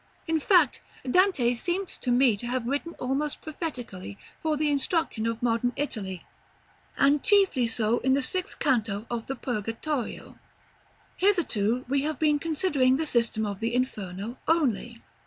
In fact, Dante seems to me to have written almost prophetically, for the instruction of modern Italy, and chiefly so in the sixth canto of the "Purgatorio." § LXI. Hitherto we have been considering the system of the "Inferno" only.